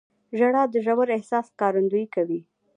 • ژړا د ژور احساس ښکارندویي کوي.